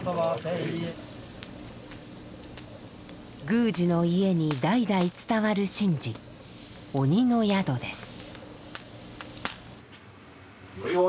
宮司の家に代々伝わる神事「鬼の宿」です。